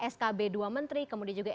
skb dua menteri kemudian juga